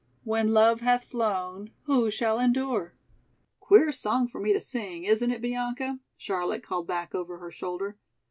When love hath flown, who shall endure?" "Queer song for me to sing, isn't it, Bianca?" Charlotta called back over her shoulder.